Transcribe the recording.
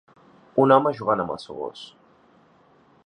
Un home jugant amb el seu gos.